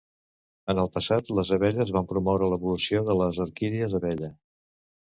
En el passat, les abelles van promoure l'evolució de les orquídies abella.